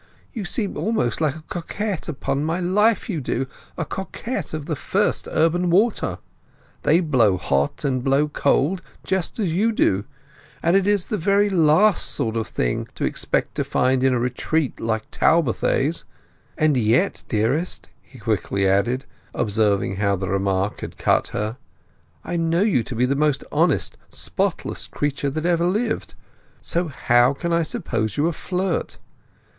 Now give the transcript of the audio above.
You seem almost like a coquette, upon my life you do—a coquette of the first urban water! They blow hot and blow cold, just as you do, and it is the very last sort of thing to expect to find in a retreat like Talbothays.... And yet, dearest," he quickly added, observing how the remark had cut her, "I know you to be the most honest, spotless creature that ever lived. So how can I suppose you a flirt?